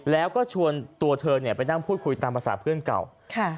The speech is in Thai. แล้วก็ชวนตัวเธอเนี่ยไปนั่งพูดคุยตามภาษาเพื่อนเก่าค่ะ